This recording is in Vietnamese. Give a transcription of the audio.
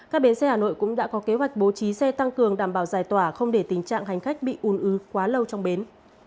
các bến xe hà nội cũng đã có kế hoạch bố trí xe tăng cường đảm bảo giải tỏa không để tình trạng hành khách bị ùn ứ quá lâu trong bến